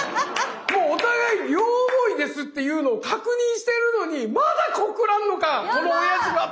もうお互い両思いですっていうのを確認してるのにまだ告らんのかこのオヤジはと。